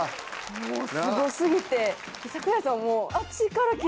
もうすご過ぎて。